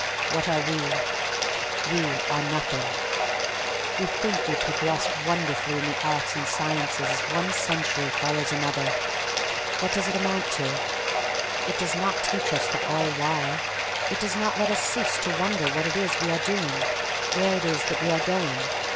' What are we? We are nothing. We think we progress wonderfully in the arts and sciences as one century follows another. What does it amount to? It does not teach us the all why. It does not let us cease to wonder what it is that we are doing, where it is that we are going.